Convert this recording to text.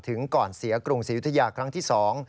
ถึงก่อนเสียกรุงศรียุธยาครั้งที่สอง